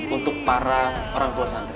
untuk para orang tua santri